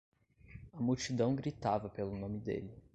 A multidão gritava pelo nome dele.